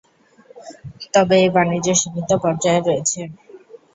তবে এই বাণিজ্য সীমিত পর্যায়ে রয়েছে।